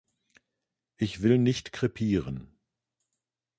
Ich will nicht krepieren.